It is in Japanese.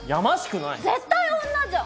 絶対女じゃん。